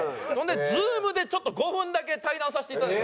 Ｚｏｏｍでちょっと５分だけ対談をさせていただいた。